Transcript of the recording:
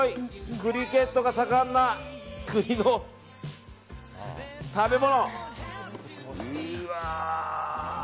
クリケットが盛んな国の食べ物。